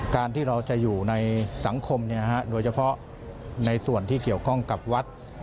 การที่เราจะอยู่ในสังคมโดยเฉพาะในส่วนที่เกี่ยวข้องกับวัด